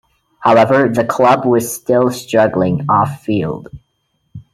However, the club was still struggling off-field.